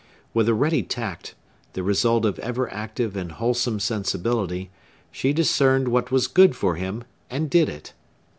With a ready tact, the result of ever active and wholesome sensibility, she discerned what was good for him, and did it.